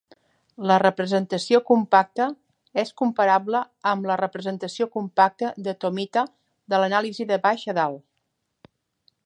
La representació compacta és comparable amb la representació compacta de Tomita de l'anàlisi de baix a dalt.